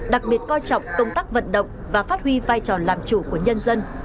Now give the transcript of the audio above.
đặc biệt coi trọng công tác vận động và phát huy vai trò làm chủ của nhân dân